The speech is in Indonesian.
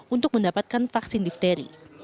untuk mendapatkan vaksin difteri